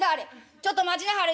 ちょっと待ちなはれ。